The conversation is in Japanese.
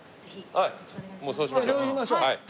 はい。